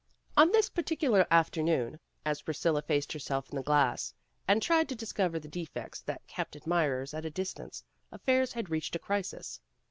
On this particular afternoon as Priscilla faced herself in the glass and tried to discover the defects that kept admirers at a distance, affairs had reached a crisis.